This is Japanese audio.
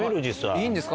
いいんですか？